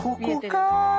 ここかあ！